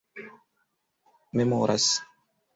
memoras